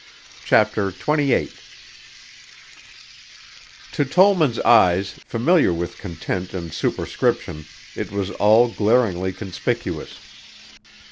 CHAPTER XXVIII To Tollman's eyes familiar with content and superscription, it was all glaringly conspicuous.